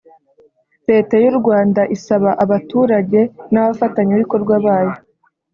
Leta y’u Rwanda isaba abaturage n’abafatanyabikorwa bayo